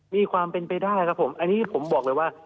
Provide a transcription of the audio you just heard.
มีความเป็นไปได้ครับผมอันนี้ผมบอกเลยว่า